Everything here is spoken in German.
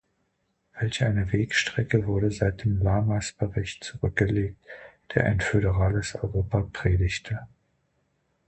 Welch eine Wegstrecke wurde seit dem Lamers-Bericht zurückgelegt, der ein föderales Europa predigte!